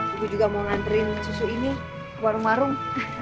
aku juga mau nganterin susu ini ke warung warung